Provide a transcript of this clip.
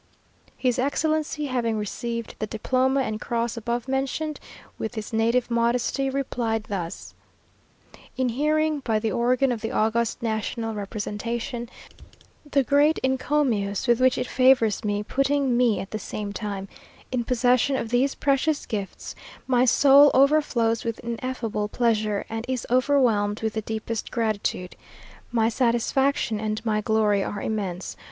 His Excellency having received the diploma and cross above mentioned, with his native modesty replied thus: "In hearing, by the organ of the august national representation, the great encomiums with which it favours me, putting me at the same time in possession of these precious gifts, my soul overflows with ineffable pleasure, and is overwhelmed with the deepest gratitude. My satisfaction and my glory are immense.